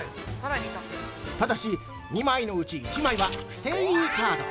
◆ただし、２枚のうち１枚はステイカード。